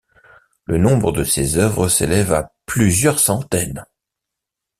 Le nombre de ses œuvres s'élève à plusieurs centaines.